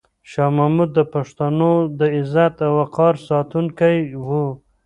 شاه محمود د پښتنو د عزت او وقار ساتونکی و.